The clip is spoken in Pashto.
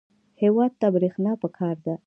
هېواد ته برېښنا پکار ده